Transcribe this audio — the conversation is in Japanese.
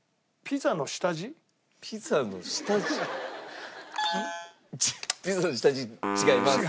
ピザの下地違います。